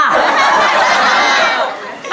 งงอะงงค่ะ